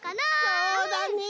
そうだね。